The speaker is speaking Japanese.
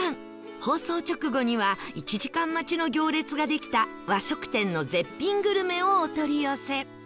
放送直後には１時間待ちの行列ができた和食店の絶品グルメをお取り寄せ